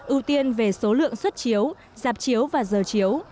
ưu tiên về số lượng xuất chiếu dạp chiếu và giờ chiếu